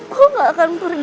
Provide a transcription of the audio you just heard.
gue gak akan pergi man